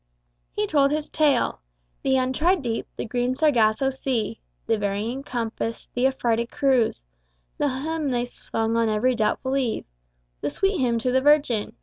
He told his tale: The untried deep, the green Sargasso Sea, The varying compass, the affrighted crews, The hymn they sung on every doubtful eve, The sweet hymn to the Virgin.